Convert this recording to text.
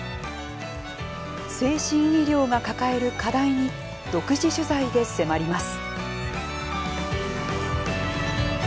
精神医療が抱える課題に独自取材で迫ります。